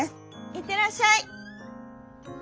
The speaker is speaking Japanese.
「いってらっしゃい」。